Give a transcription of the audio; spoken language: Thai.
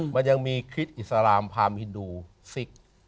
มันยังมีคริสต์อิสลามพามฮินดูซิก